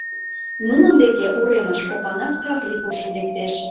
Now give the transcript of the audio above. Нунын деке, уремыш, Опанас Каврий куржын лектеш.